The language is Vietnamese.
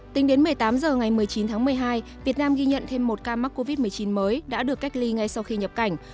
tính đến một mươi tám h ngày một mươi chín tháng một mươi hai việt nam ghi nhận thêm một ca mắc covid một mươi chín mới đã được cách ly ngay sau khi nhập cảnh